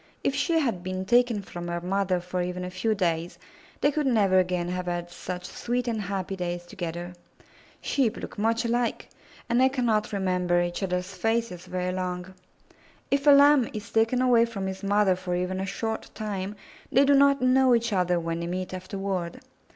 If she had been taken from her mother for even a few days, they could never again have had such sweet and happy days together. Sheep look much alike, and they cannot remember each other's faces very long. If a Lamb is taken away from his mother for even a short time, they do not know each other when they meet afterward.